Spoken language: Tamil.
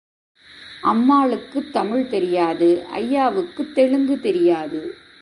அம்மாளுக்குத் தமிழ் தெரியாது ஐயாவுக்குத் தெலுங்கு தெரியாது.